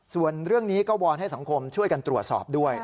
ส่วนเรื่องนี้ก็วอนให้สังคมช่วยกันตรวจสอบด้วย